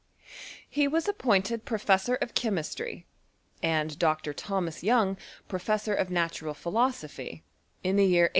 He was appointed professor of chemistry, and Dr. Thomas Young professor of na tural philosophy, in the year 1801.